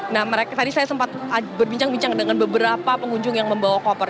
nah tadi saya sempat berbincang bincang dengan beberapa pengunjung yang membawa koper